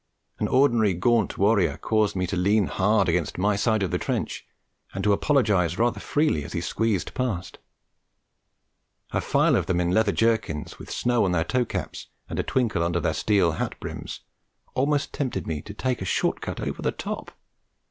An ordinary gaunt warrior caused me to lean hard against my side of the trench, and to apologise rather freely as he squeezed past; a file of them in leather jerkins, with snow on their toe caps and a twinkle under their steel hat brims, almost tempted me to take a short cut over the top.